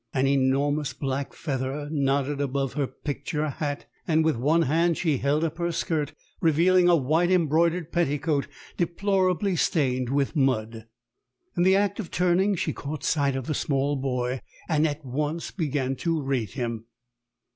An enormous black feather nodded above her "picture" hat, and with one hand she held up her skirt, revealing a white embroidered petticoat deplorably stained with mud. In the act of turning she caught sight of the small boy, and at once began to rate him.